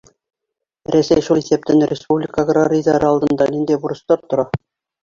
Рәсәй, шул иҫәптән республика аграрийҙары алдында ниндәй бурыстар тора?